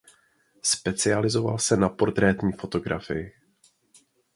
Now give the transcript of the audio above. Specializoval se na portrétní fotografii.